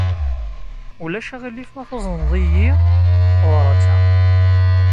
Ulac aɣilif ma tuzneḍ-iyi tabṛat-a?